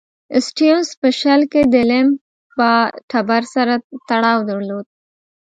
سټیونز په شل کې د لیمبا ټبر سره تړاو درلود.